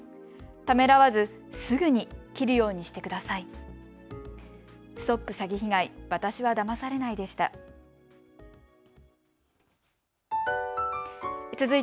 ためらわず、すぐに切るようにしてください。